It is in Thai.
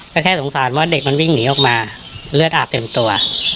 ก็แค่สงสารเพราะเด็กมันวิ่งหนีออกมาเลือดอาบเต็มตัว